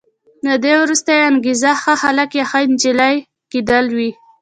له دې وروسته یې انګېزه ښه هلک یا ښه انجلۍ کېدل وي.